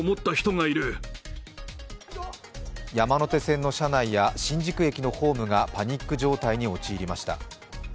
山手線の車内や新宿駅のホームがパニック状態に陥りました。